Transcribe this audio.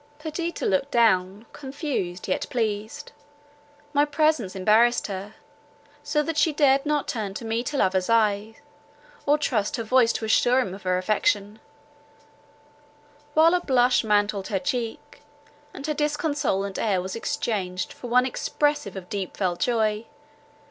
Perdita looked down, confused, yet pleased. My presence embarrassed her; so that she dared not turn to meet her lover's eye, or trust her voice to assure him of her affection; while a blush mantled her cheek, and her disconsolate air was exchanged for one expressive of deep felt joy.